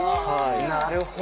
なるほど。